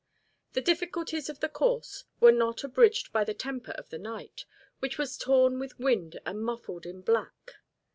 The difficulties of the course were not abridged by the temper of the night, which was torn with wind and muffled in black.